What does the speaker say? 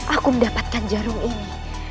aku mendapatkan jarum ini